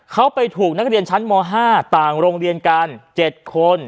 เขาไปถูกนักเรียนชั้นม๕ต่างโรงเรียนกัน๗คน